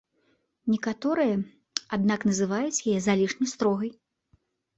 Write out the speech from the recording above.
Некаторыя, аднак, называюць яе залішне строгай.